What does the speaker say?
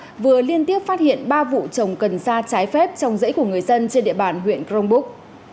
cơ liên tiếp phát hiện ba vụ trồng cần xa trái phép trong dãy của người dân trên địa bàn huyện cronbúc